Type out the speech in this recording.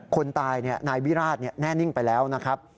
คนตายเนี่ยนายวิราชเนี่ยแน่นิ่งไปแล้วนะครับ